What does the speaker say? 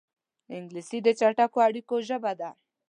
انګلیسي د چټکو اړیکو ژبه ده